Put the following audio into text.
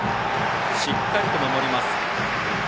しっかりと守ります。